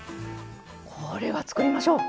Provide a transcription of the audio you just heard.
これは作りましょう。